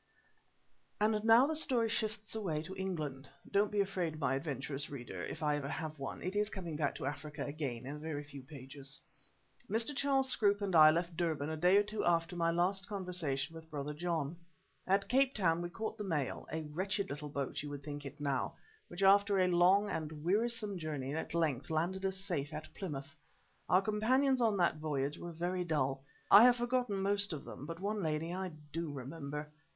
And now the story shifts away to England. (Don't be afraid, my adventurous reader, if ever I have one, it is coming back to Africa again in a very few pages.) Mr. Charles Scroope and I left Durban a day or two after my last conversation with Brother John. At Cape Town we caught the mail, a wretched little boat you would think it now, which after a long and wearisome journey at length landed us safe at Plymouth. Our companions on that voyage were very dull. I have forgotten most of them, but one lady I do remember.